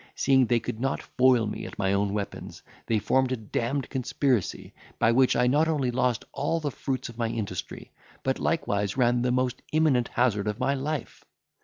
Seeing they could not foil me at my own weapons, they formed a damned conspiracy, by which I not only lost all the fruits of my industry, but likewise ran the most imminent hazard of my life.